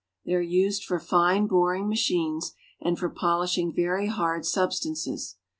They are used for fine boring machines and for polishing very hard substances.